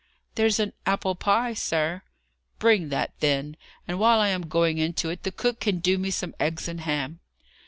"There's an apple pie, sir." "Bring that, then. And while I am going into it, the cook can do me some eggs and ham."